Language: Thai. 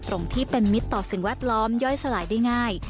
องค์ที่เป็นมิตรต่อสิ่งแวดล้อมย่อยสลายได้ง่าย